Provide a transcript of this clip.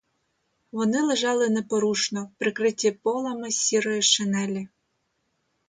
Вони лежали непорушно, прикриті полами сірої шинелі.